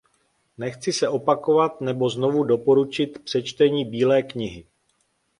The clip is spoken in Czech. Nechci se opakovat nebo znovu doporučit přečtení bílé knihy.